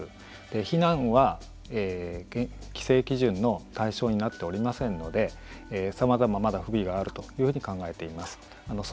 避難は規制基準の対象になっておりませんのでさまざま、まだ不備があるというふうに考えています。